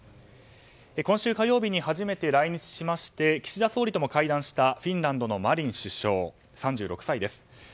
今週火曜日に初めて来日しまして岸田総理とも会談したフィンランドのマリン首相３６歳です。